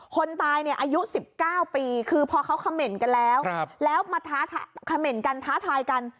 คนตายเนี่ยอายุ๑๙ปีคือพอเขาคำเมนต์กันแล้วแล้วมาคำเมนต์กันท้าทายกัน